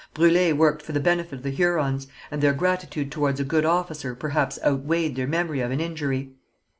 Brûlé worked for the benefit of the Hurons, and their gratitude towards a good officer perhaps outweighed their memory of an injury.